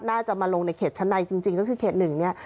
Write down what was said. น่าจะมาลงในเขตชั้นในจริงก็คือเขต๑เนี่ย